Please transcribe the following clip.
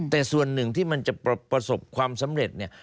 แต่ส่วนหนึ่งที่มันจะประสบความสำเร็จเนี่ย